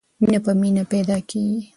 مینه په مینه پیدا کېږي.